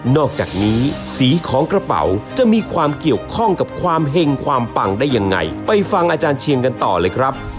อกจากนี้สีของกระเป๋าจะมีความเกี่ยวข้องกับความเห็งความปังได้ยังไงไปฟังอาจารย์เชียงกันต่อเลยครับ